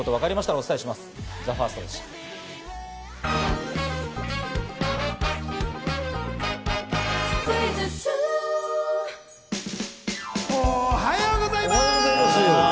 おはようございます。